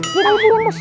iya balik dulu bos